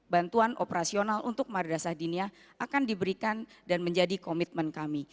bantuan operasional untuk madrasah dinia akan diberikan dan menjadi komitmen kami